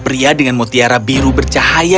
pria dengan mutiara biru bercahaya